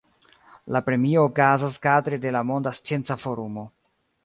La premio okazas kadre de la Monda Scienca Forumo.